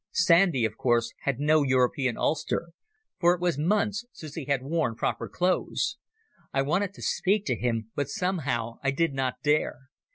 Sandy, of course, had no European ulster, for it was months since he had worn proper clothes. I wanted to speak to him, but somehow I did not dare.